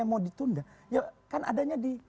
mau ditunda ya kan adanya di